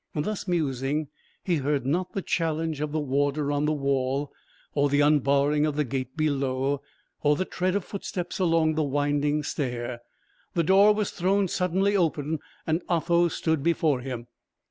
Thus musing, he heard not the challenge of the warder on the wall, or the unbarring of the gate below, or the tread of footsteps along the winding stair; the door was thrown suddenly open, and Otho stood before him.